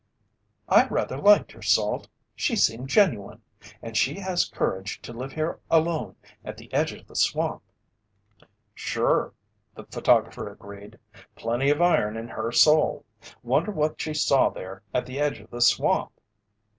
"I rather liked her, Salt. She seemed genuine. And she has courage to live here alone at the edge of the swamp." "Sure," the photographer agreed. "Plenty of iron in her soul. Wonder what she saw there at the edge of the swamp?"